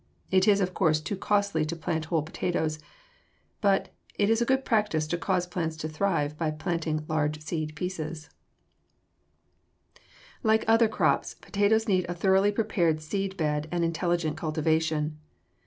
It is of course too costly to plant whole potatoes, but it is a good practice to cause the plants to thrive by planting large seed pieces. [Illustration: FIG. 205. GATHERING POTATOES] Like other crops, potatoes need a thoroughly prepared seed bed and intelligent cultivation.